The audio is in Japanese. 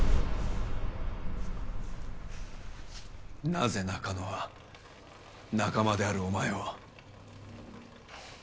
なぜ中野は仲間であるお前を？